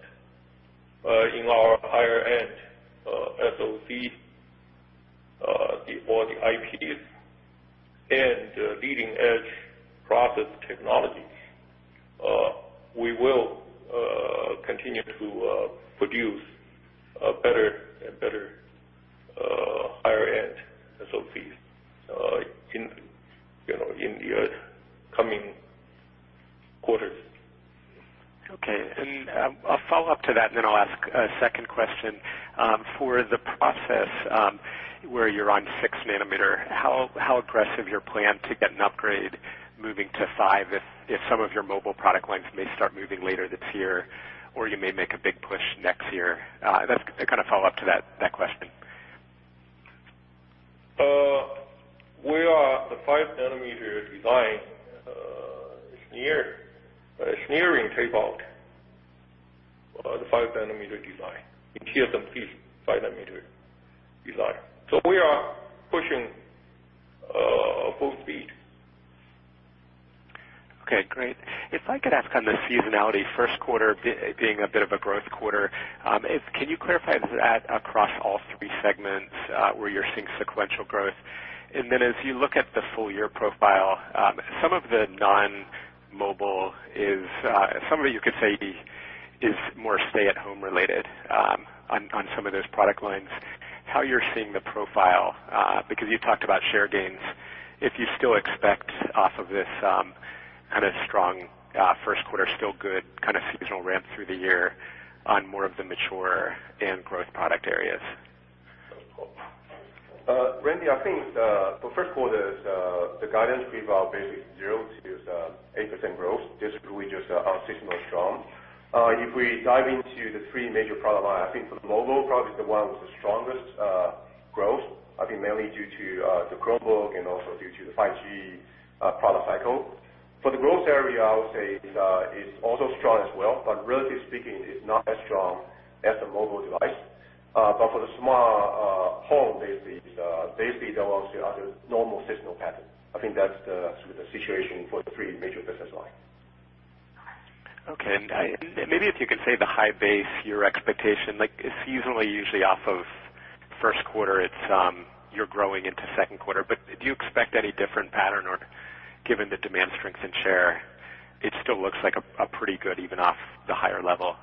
in our higher-end SoC, all the IPs, and leading-edge process technologies, we will continue to produce better and better higher-end SoCs in the coming quarters. Okay. A follow-up to that, and then I'll ask a second question. For the process, where you're on 6-nanometer, how aggressive your plan to get an upgrade moving to five, if some of your mobile product lines may start moving later this year, or you may make a big push next year? That kind of follow-up to that question. We are at the 5-nanometer design, it's nearing tape-out, the 5-nanometer design, in TSMC 5-nanometer design. We are pushing full speed. Okay, great. If I could ask on the seasonality, first quarter being a bit of a growth quarter, can you clarify, is that across all three segments, where you're seeing sequential growth? Then as you look at the full year profile, some of the non-mobile, some of it you could say is more stay-at-home related on some of those product lines. How you're seeing the profile, you talked about share gains, if you still expect off of this kind of strong first quarter, still good seasonal ramp through the year on more of the mature and growth product areas. Randy, I think for first quarter, the guidance we've basically (audio distortion) is 8% growth. Basically, we just are seasonal strong. If we dive into the three major product line, I think for mobile, probably is the one with the strongest growth, I think mainly due to the Chromebook and also due to the 5G product cycle. For the growth area, I would say it's also strong as well, relatively speaking, it's not as strong as the mobile device. For the smart home, basically, there was a normal seasonal pattern. I think that's the situation for the three major business line. Okay. Maybe if you could say the high base, your expectation. Like, seasonally, usually off of first quarter, you are growing into second quarter, but do you expect any different pattern, or given the demand strength and share? It still looks like a pretty good even off the higher level.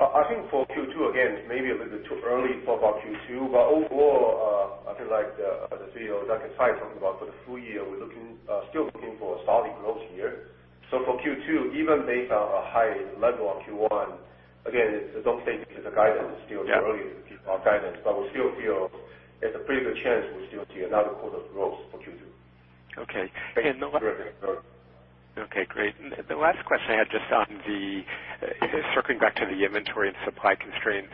I think for Q2, again, maybe a little bit too early to talk about Q2. Overall, I feel like, as the CEO, Dr. Tsai, talked about for the full year, we're still looking for a solid growth year. For Q2, even based on a high level of Q1, again, don't take this as a guidance, it's still too early to give our guidance. We still feel there's a pretty good chance we'll still see another quarter of growth for Q2. Okay. Okay, great. The last question I had, circling back to the inventory and supply constraints,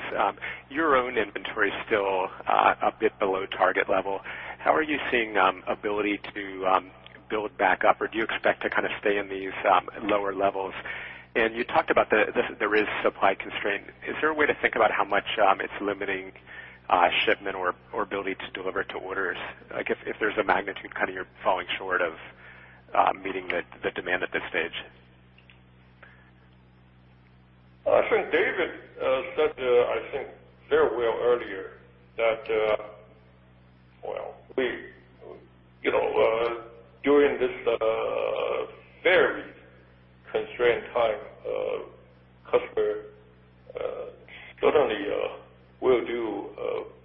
your own inventory is still a bit below target level. How are you seeing ability to build back up? Do you expect to stay in these lower levels? You talked about there is supply constraint. Is there a way to think about how much it's limiting shipment or ability to deliver to orders, if there's a magnitude you're falling short of meeting the demand at this stage? I think David said very well earlier. During this very constrained time, customer certainly will do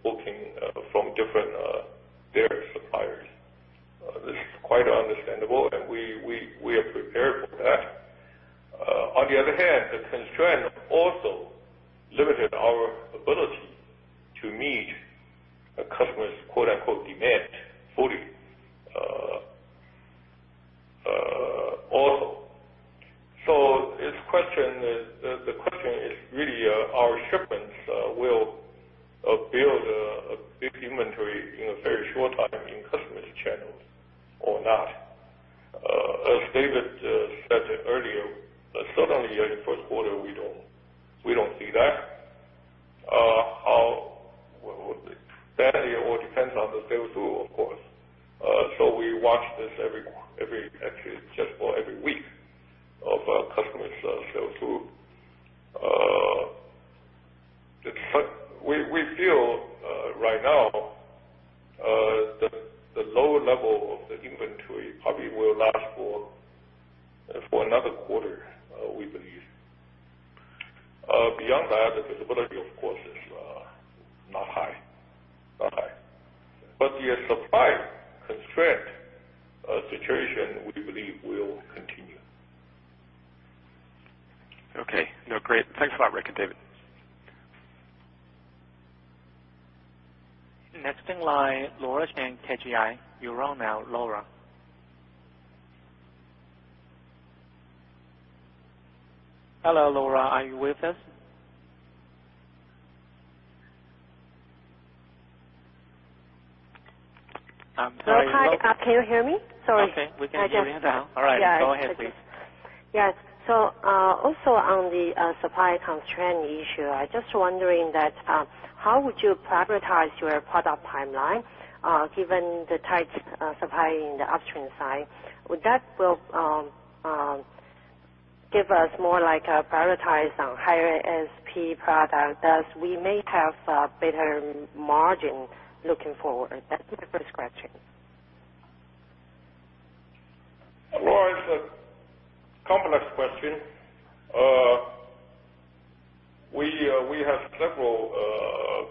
booking from different suppliers. This is quite understandable, and we are prepared for that. On the other hand, the constraint also limited our ability to meet a customer's "demand" fully. The question is really, our shipments will build a big inventory in a very short time in customers' channels or not. As David said earlier, certainly in the first quarter, we don't see that. How that will all depends on the sell-through, of course, we watch this every week of our customers' sell-through. We feel, right now, the lower level of the inventory probably will last for another quarter, we believe. Beyond that, the visibility, of course, is not high. The supply constraint situation, we believe, will continue. Okay, no, great. Thanks a lot, Rick and David. Next in line, Laura Chen, KGI. You're on now, Laura. Hello, Laura, are you with us? I'm sorry. Hi. Can you hear me? Sorry. Okay, we can hear you now. All right, go ahead, please. Yes. Also on the supply constraint issue, I was just wondering, how would you prioritize your product timeline, given the tight supply in the upstream side? Would that give us more like a prioritize on higher ASP product, thus we may have better margin looking forward? That's my first question. Laura, it's a complex question. We have several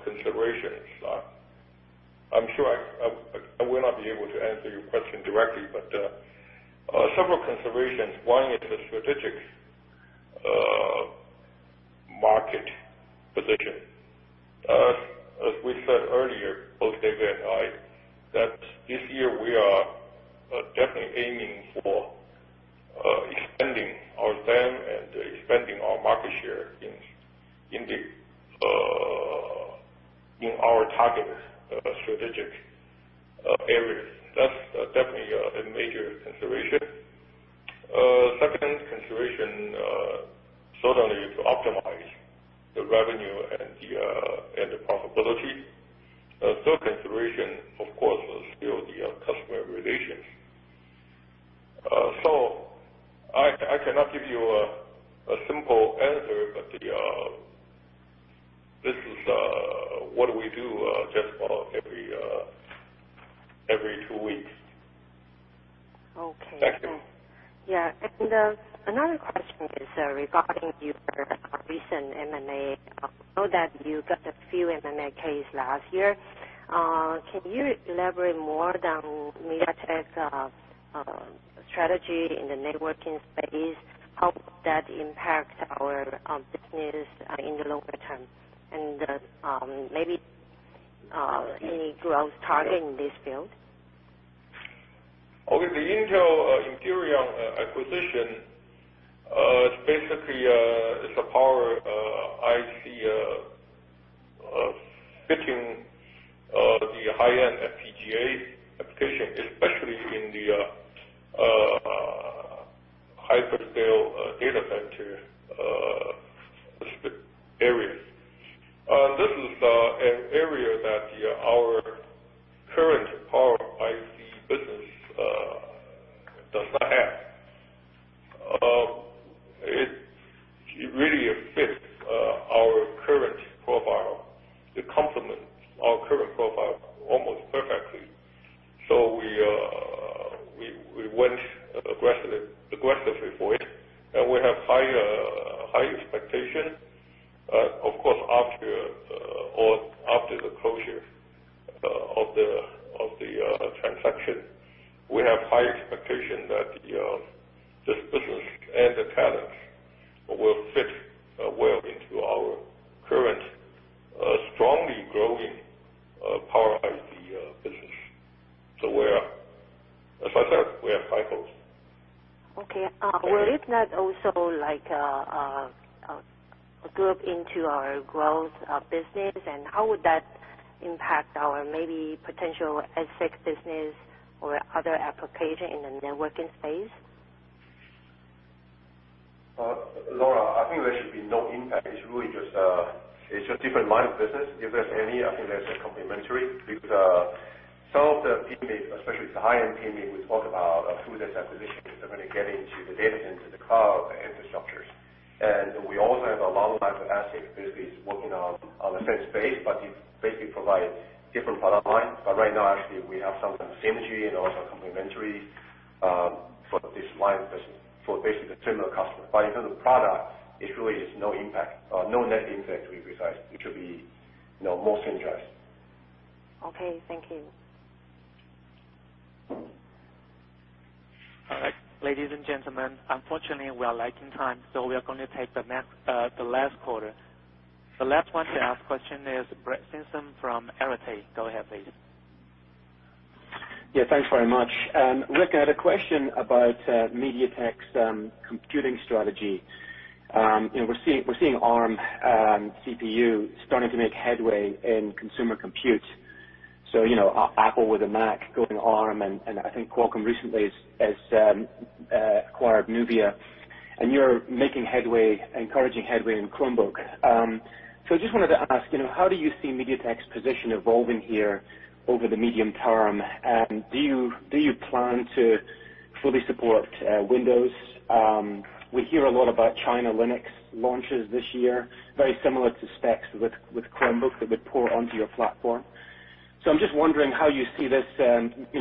considerations, I'm sure I will not be able to answer your question directly, but several considerations. One is the strategic market position. As we said earlier, both David and I, that this year we are definitely aiming for expanding our stand and expanding our market share in our target strategic areas. That's definitely a major consideration. Second consideration, certainly to optimize the revenue and the profitability. Third consideration, of course, is still the customer relations. I cannot give you a simple answer, but this is what we do just for every two weeks. Okay. Thanks. Yeah. Another question is regarding your recent M&A. I know that you got a few M&A case last year. Can you elaborate more on MediaTek's strategy in the networking space? How that impacts our business in the longer term, and maybe any growth target in this field? With the Intel Enpirion acquisition, basically it's a power IC fitting the high-end FPGA application, especially in the hyperscale data center areas. This is an area that our current power IC business does not have. It really fits our current profile, it complements our current profile almost perfectly. We went aggressively for it, and we have high expectation, of course, after the closure of the transaction. We have high expectation that this business and the talent will fit well into our current strongly growing power ICs business [so where, if I say we have cycles?] Okay. Will it not also group into our growth of business? How would that impact our maybe potential ASIC business or other application in the networking space? Laura, I think there should be no impact. It's really just different lines of business. If there's any, I think that's complementary because some of the teammate, especially the high-end teammate, we talk about through this acquisition, they're going to get into the data center, the cloud, the infrastructures. We also have a long line of ASIC business working on the same space, but you basically provide different product lines. Right now, actually, we have some synergy and also complementary, for this line business for basically the similar customer. In terms of product, it really is no impact, or no net impact, to be precise. It should be more synergized. Okay, thank you. All right. Ladies and gentlemen, unfortunately, we are lacking time, so we are going to take the last caller. The last one to ask question is Brett Simpson from Arete. Go ahead, please. Yeah, thanks very much. Rick, I had a question about MediaTek's computing strategy. We're seeing Arm CPU starting to make headway in consumer compute. Apple with a Mac going Arm, I think Qualcomm recently has acquired NUVIA, you're making headway, encouraging headway in Chromebook. I just wanted to ask, how do you see MediaTek's position evolving here over the medium term? Do you plan to fully support Windows? We hear a lot about China lineup launches this year, very similar to specs with Chromebook that would port onto your platform. I'm just wondering how you see this,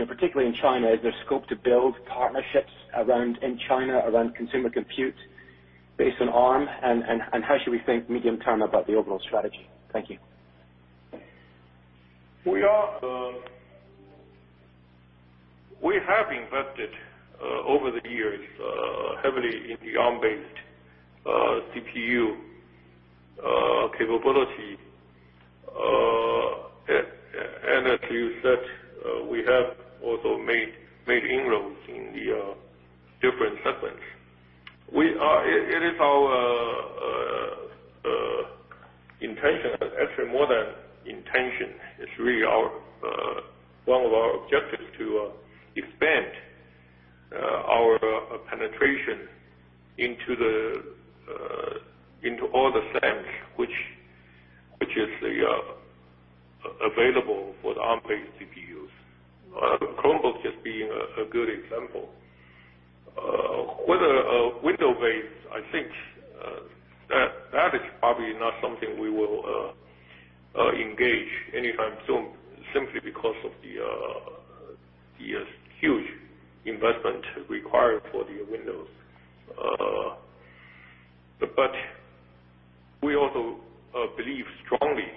particularly in China. Is there scope to build partnerships around in China, around consumer compute based on Arm? How should we think medium term about the overall strategy? Thank you. We have invested over the years heavily in the Arm-based CPU capability. As you said, we have also made inroads in the different segments. It is our intention, actually more than intention, it's really one of our objectives to expand our penetration into all the segments, which is available for the Arm-based CPUs, Chromebook just being a good example. Whether a Windows-based, I think, that is probably not something we will engage anytime soon, simply because of the huge investment required for the Windows. We also believe strongly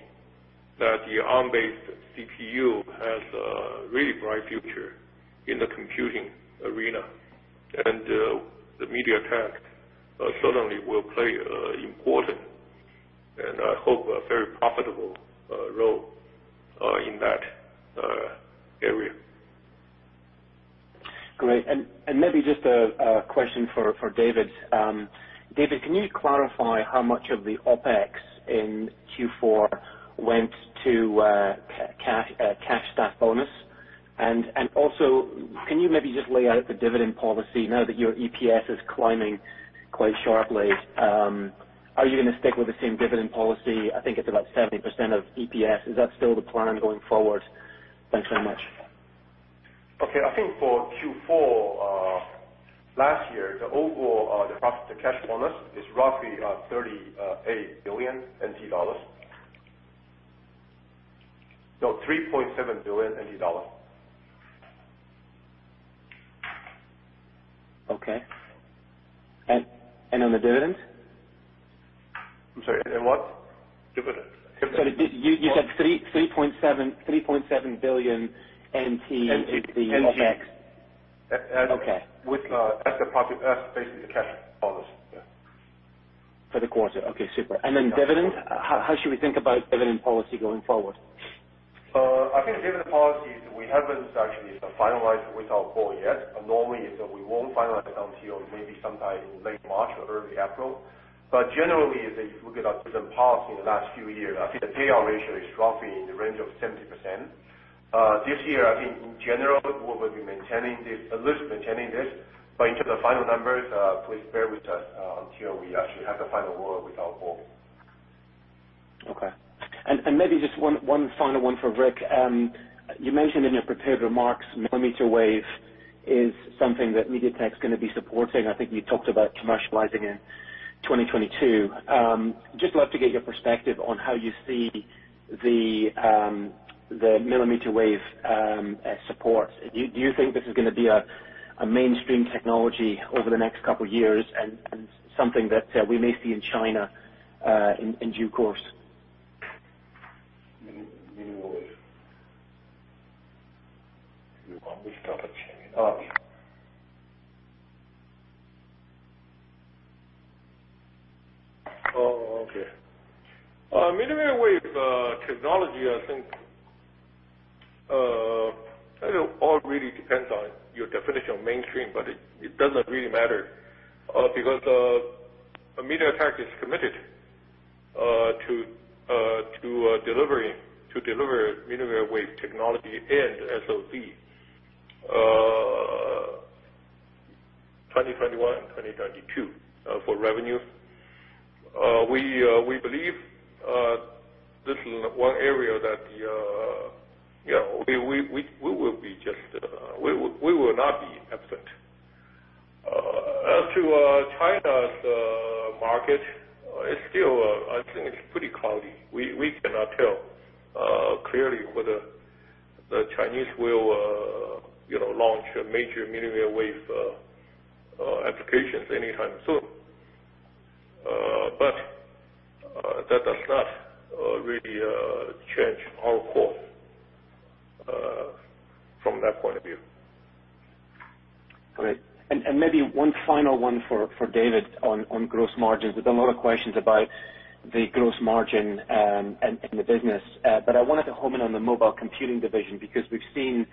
that the Arm-based CPU has a really bright future in the computing arena, and MediaTek certainly will play an important, and I hope a very profitable role in that area. Great, maybe just a question for David. David, can you clarify how much of the OpEx in Q4 went to cash staff bonus? Also, can you maybe just lay out the dividend policy now that your EPS is climbing quite sharply? Are you going to stick with the same dividend policy? I think it's about 70% of EPS. Is that still the plan going forward? Thanks so much. Okay. I think for Q4 last year, the overall, the profit, the cash bonus is roughly 38 billion NT dollars. No, 3.7 billion NT dollars. Okay. On the dividends? I'm sorry, what dividends? Sorry. You said 3.7 billion... NT. ...is the OpEx? Okay. That's the profit. That's basically the cash policy, yeah. For the quarter? Okay, super. Dividends, how should we think about dividend policy going forward? I think dividend policy is we haven't actually finalized with our board yet. Normally, is that we won't finalize until maybe sometime in late March or early April. Generally, if you look at our dividend policy in the last few years, I think the payout ratio is roughly in the range of 70%. This year, I think in general, we will be at least maintaining this. In terms of final numbers, please bear with us until we actually have the final word with our board. Okay. Maybe just one final one for Rick. You mentioned in your prepared remarks, Millimeter Wave is something that MediaTek's going to be supporting, I think you talked about commercializing it in 2022. Just love to get your perspective on how you see the millimeter Wave support, do you think this is going to be a mainstream technology over the next couple of years, and something that we may see in China in due course? Okay. Millimeter Wave technology, I think it all really depends on your definition of mainstream, but it doesn't really matter because MediaTek is committed to deliver Millimeter Wave technology and SoC 2021 and 2022 for revenue. We believe this is one area that we will not be absent. As to China's market, I think it's pretty cloudy, we cannot tell clearly whether the Chinese will launch major Millimeter Wave applications anytime soon. That does not really change our course from that point of view. Great. Maybe one final one for David on gross margins. There's been a lot of questions about the gross margin in the business. I wanted to home in on the mobile computing division, because we've seen,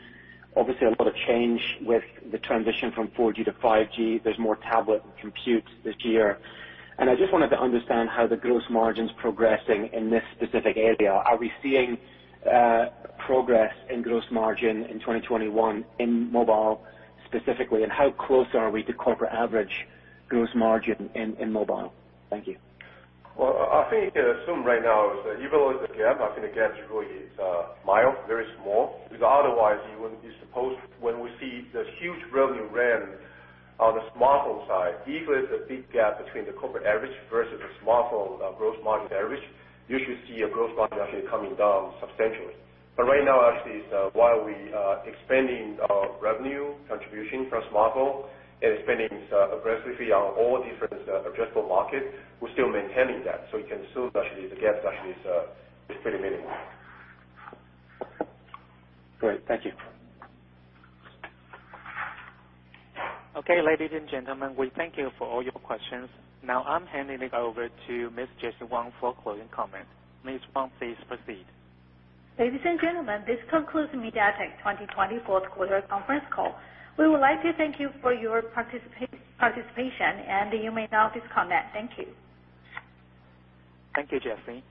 obviously, a lot of change with the transition from 4G to 5G, there's more tablet computes this year. I just wanted to understand how the gross margin's progressing in this specific area. Are we seeing progress in gross margin in 2021 in mobile specifically, and how close are we to corporate average gross margin in mobile? Thank you. Well, I think the assumption right now is that even with the gap, I think the gap truly is mild, very small. Otherwise, when we see the huge revenue ramp on the smartphone side, even if there's a big gap between the corporate average versus the smartphone gross margin average, you should see a gross margin actually coming down substantially. Right now, actually, while we are expanding our revenue contribution from smartphone and expanding aggressively on all different addressable markets, we're still maintaining that. You can assume, actually, the gap actually is pretty minimal. Great. Thank you. Okay, ladies and gentlemen, we thank you for all your questions. Now I'm handing it over to Ms. Jessie Wang for closing comments. Ms. Wang, please proceed. Ladies and gentlemen, this concludes MediaTek 2020 fourth quarter conference call. We would like to thank you for your participation, and you may now disconnect. Thank you. Thank you, Jessie.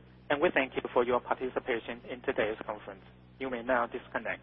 We thank you for your participation in today's conference. You may now disconnect.